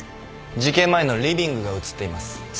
事件前のリビングが写っています。